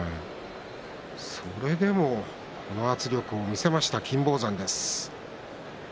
それでもこの圧力を見せました金峰山です。